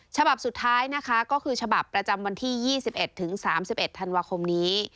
ฉบับสุดท้ายนะคะก็คือฉบับประจำวันที่๒๑ถึง๓๑ธันวาคมนี้